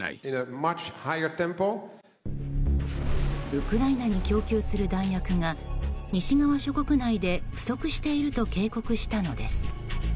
ウクライナに供給する弾薬が西側諸国内で不足していると警告したのです。